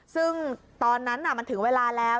ซึ่งตอนนั้นมันถึงเวลาแล้ว